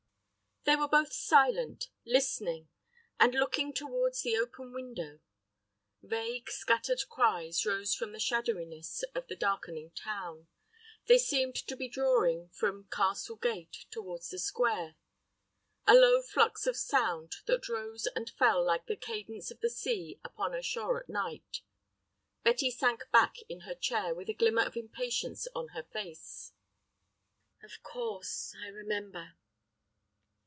They were both silent, listening, and leaning towards the open window. Vague, scattered cries rose from the shadowiness of the darkening town. They seemed to be drawing from Castle Gate towards the square, a low flux of sound that rose and fell like the cadence of the sea upon a shore at night. Betty sank back in her chair with a glimmer of impatience on her face. "Of course—I remember."